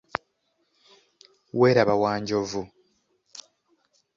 Welaba Wanjovu.